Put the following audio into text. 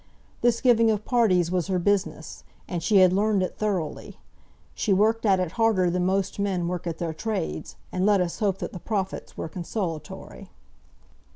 This giving of parties was her business, and she had learned it thoroughly. She worked at it harder than most men work at their trades, and let us hope that the profits were consolatory.